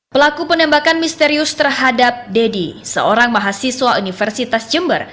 pelaku penembakan misterius terhadap deddy seorang mahasiswa universitas jember